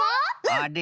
あれ？